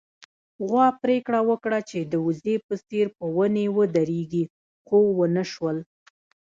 غوا پرېکړه وکړه چې د وزې په څېر په ونې ودرېږي، خو ونه شول